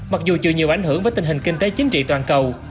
mặc dù chịu nhiều ảnh hưởng với tình hình kinh tế chính trị toàn cầu